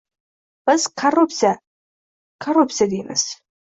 Biz korruptsiya, korrupsiya deymiz